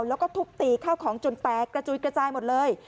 แล้วก็ทุบตีข้าวของจนแตกกระจุยกระจายหมดเลย